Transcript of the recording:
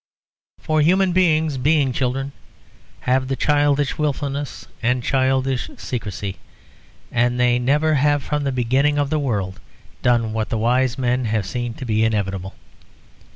For human beings, being children, have the childish wilfulness and the childish secrecy. And they never have from the beginning of the world done what the wise men have seen to be inevitable.